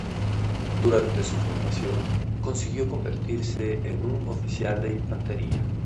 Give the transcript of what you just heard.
Durante su formación consiguió convertirse en un oficial de infantería.